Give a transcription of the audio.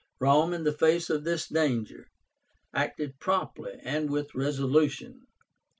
Rome, in the face of this danger, acted promptly and with resolution.